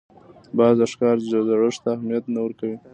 باز د ښکار زړښت ته اهمیت نه ورکوي